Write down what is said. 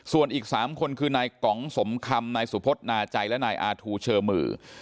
ส่วนอีก๓คนคือนายกองสมคำนายสุพธนาใจและนายอาทูเชอมือ